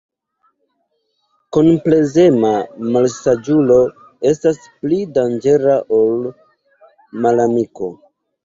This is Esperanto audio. Komplezema malsaĝulo estas pli danĝera ol malamiko.